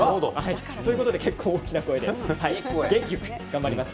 というわけで結構、大きな声で元気よく頑張ります。